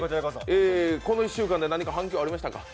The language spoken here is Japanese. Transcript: この１週間で何か反響ありましたか？